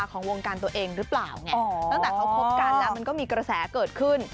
ของวงการตัวเองหรือเปล่าไงตั้งแต่เขาคบกันแล้วมันก็มีกระแสเกิดขึ้น